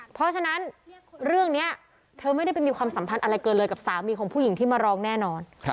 เพราะฉะนั้นเรื่องนี้เธอไม่ได้ไปมีความสัมพันธ์อะไรเกินเลยกับสามีของผู้หญิงที่มาร้องแน่นอน